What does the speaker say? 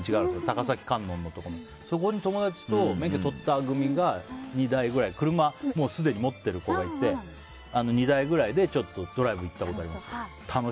高崎観音のところにそこに友達と免許取った組がすでに車を持ってる子がいて２台くらいでドライブ行ったことあります。